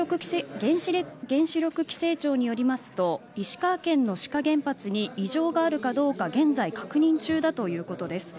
原子力規制庁によりますと石川県の志賀原発に異常があるかどうか現在、確認中だということです。